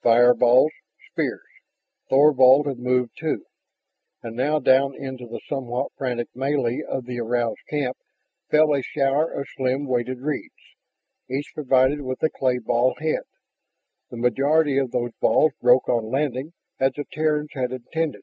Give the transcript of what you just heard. Fireballs, spears.... Thorvald had moved too. And now down into the somewhat frantic melee of the aroused camp fell a shower of slim weighted reeds, each provided with a clay ball head. The majority of those balls broke on landing as the Terrans had intended.